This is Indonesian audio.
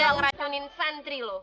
yang ada ngeracunin santri lo